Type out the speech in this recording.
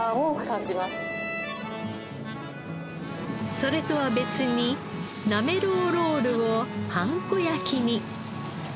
それとは別になめろうロールをパン粉焼きに。